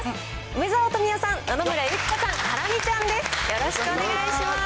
梅沢富美男さん、野々村友紀子さん、ハラミちゃんです。